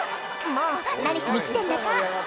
もう何しに来てんだか